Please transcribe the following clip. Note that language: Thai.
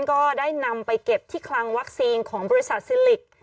ก็ได้นำไปเก็บที่คลังวัคซีนของบริษัทซิลิก